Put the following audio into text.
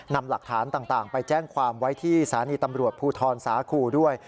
นำหลักฐานต่างไปแจ้งความไว้ที่สถานีตำรวจภูทรสาคูด้วย